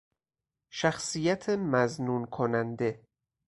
شخصیت مظنون کننده